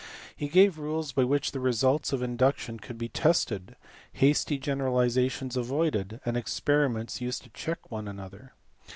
He gave rules by which the results of induction could be tested, hasty generalizations avoided, and experiments used to check one anothei*.